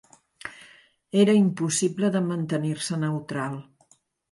Era impossible de mantenir-se neutral